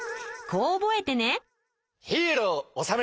こう覚えてね。